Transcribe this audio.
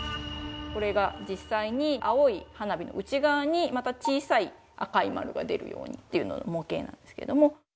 これが実際に青い花火の内側にまた小さい赤い丸が出るようにっていうのの模型なんですけども。